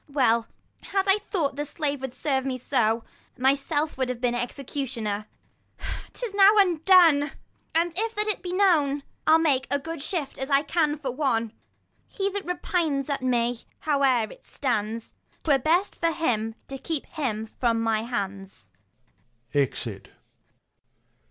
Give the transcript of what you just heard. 25 Well, had I thought the slave would serve me so, Myself would have been executioner : 'Tis now undone, and if that it be known, I'll make as good shift as I can for one. He that repines at me, howe'r it stands, 30 'Twere best for him to keep him from my hands. \_Exit.